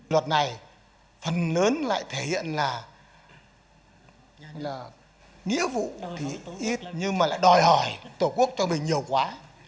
luật này phần lớn lại thể hiện là nghĩa vụ thì ít nhưng mà lại đòi hỏi tổ quốc cho mình nhiều quá